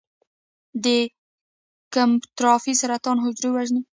د کیموتراپي سرطان حجرو وژني.